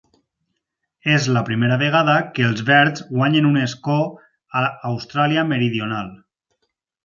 És la primera vegada que els verds guanyen un escó a Austràlia Meridional.